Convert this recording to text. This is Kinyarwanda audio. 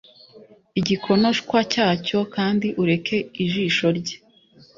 igikonoshwa cyacyo, kandi ureke ijisho rye.